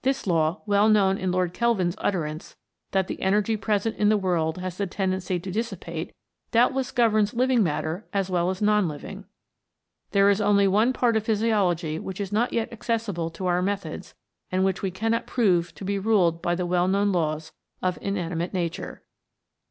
This law, well known in Lord Kelvin's utterance, that the energy present in the world has the tendency to dissipate, doubt less governs living matter as well as non living. There is only one part of physiology which is not yet accessible to our methods and which we cannot prove to be ruled by the well known laws of inanimate Nature.